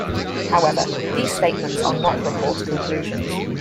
However, these statements are not report conclusions.